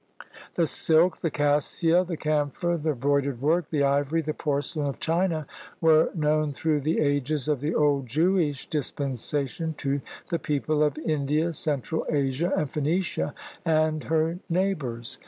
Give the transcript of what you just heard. The silk, the cassia, the camphor, the broidered work, the ivory, the porcelain of China, were known through the ages of the old Jewish dispensation to the people of India, Central Asia, and Phoenicia and her neighbors.